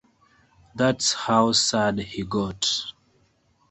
That's how sad he got.